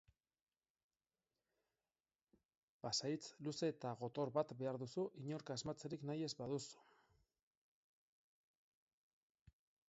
Pasahitz luze eta gotor bat behar duzu inork asmatzerik nahi ez baduzu.